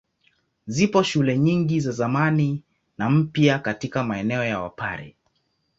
Zipo shule nyingi za zamani na mpya katika maeneo ya Wapare.